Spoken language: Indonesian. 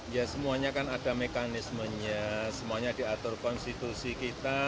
ya semuanya kan ada mekanismenya semuanya diatur konstitusi kita